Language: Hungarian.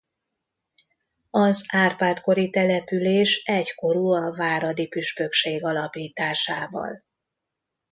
Az Árpád-kori település egykorú a váradi püspökség alapításával.